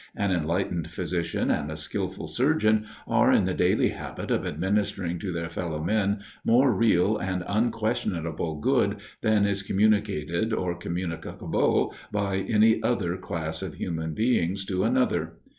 An enlightened physician and a skilful surgeon, are in the daily habit of administering to their fellow men more real and unquestionable good, than is communicated, or communicable by any other class of human beings to another.